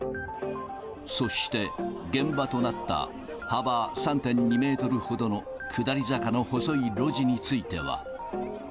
そして、現場となった幅３．２メートルほどの下り坂の細い路地については。